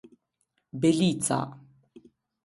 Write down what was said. Belica